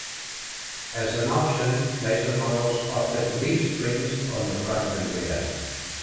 As an option, later models offered leaf springs on the front and rear.